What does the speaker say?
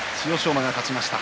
馬が勝ちました。